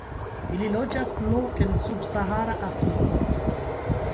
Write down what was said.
Ili loĝas nur en subsahara Afriko.